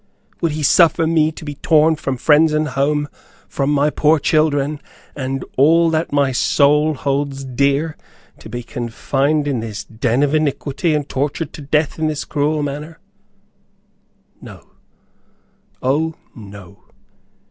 Would he suffer me to be torn from friends and home, from my poor children and all that my soul holds dear, to be confined in this den of iniquity, and tortured to death in this cruel manner? No, O, no.